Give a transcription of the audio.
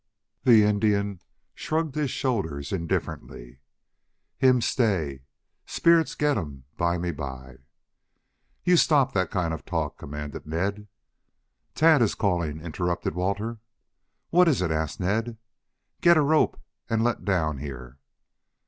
The Indian shrugged his shoulders indifferently. "Him stay. Spirits git um bymeby." "You stop that kind of talk," commanded Ned. "Tad is calling," interrupted Walter. "What is it?" asked Ned. "Get a rope and let down here."